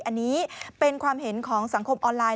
อันนี้เป็นความเห็นของสังคมออนไลน